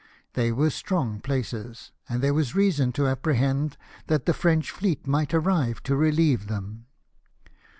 They were strong places, and there was reason to apprehend that the French fleet might arrive to relieve them.